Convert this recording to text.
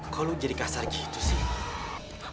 kalau lo jadi kasar gitu sih